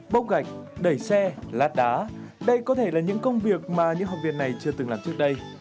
bốc gạch đẩy xe lát đá đây có thể là những công việc mà những học viên này chưa từng làm trước đây